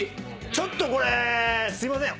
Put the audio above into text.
ちょっとこれすいません。